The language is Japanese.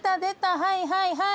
はいはいはい。